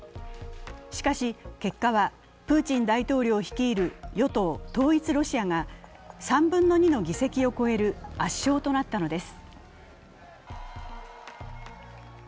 しかし、結果はプーチン大統領率いる与党・統一ロシアが３分の２の議席を超える圧勝となったのです。